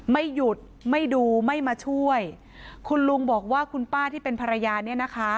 ไม่หยุดไม่ดูไม่มาช่วยคุณลุงบอกว่าคุณป้าที่เป็นภรรยาเนี่ยนะคะ